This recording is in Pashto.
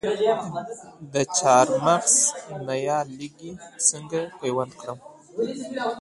د چهارمغز نیالګي څنګه پیوند کړم؟